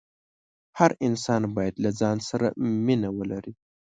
هر انسان باید له ځان سره مینه ولري.